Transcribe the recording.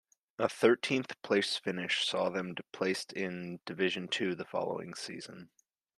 A thirteenth-place finish saw them placed in Division Two the following season.